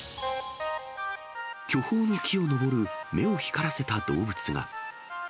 巨峰の木を登る目を光らせた動物が。